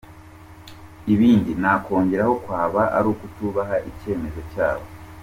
Ibindi nakongeraho kwaba ari ukutubaha icyemezo cyabo.